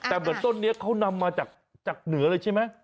แต่เหมือนต้นนี้เขานำมาจากเหนือเลยใช่ไหม